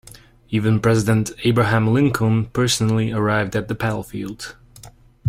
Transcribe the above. Even President Abraham Lincoln personally arrived at the battlefield.